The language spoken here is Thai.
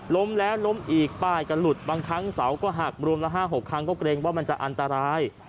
ล้มแล้วล้มอีกป้ายก็หลุดบางครั้งเสาก็หักรวมละ๕๖ครั้งก็เกรงว่ามันจะอันตราย